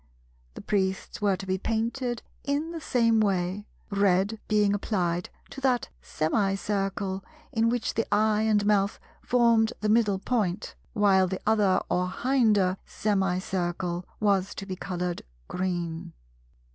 The Priests were to be painted in the same way, red being applied to that semicircle in which the eye and mouth formed the middle point; while the other or hinder semicircle was to be coloured green.